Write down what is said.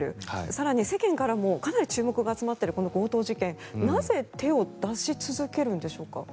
更に、世間からもかなり注目が集まっているこの強盗事件、なぜ手を出し続けるんでしょうか。